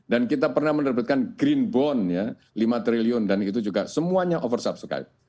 dan kita pernah menerbitkan green bond ya lima triliun dan itu juga semuanya oversubscribed